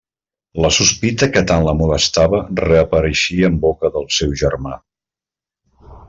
La sospita que tant la molestava reapareixia en boca del seu germà.